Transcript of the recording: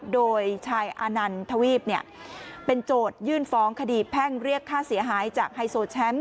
โดยชายอานันทวีปเป็นโจทยื่นฟ้องคดีแพ่งเรียกค่าเสียหายจากไฮโซแชมป์